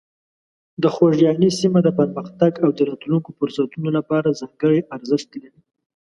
د خوږیاڼي سیمه د پرمختګ او د راتلونکو فرصتونو لپاره ځانګړې ارزښت لري.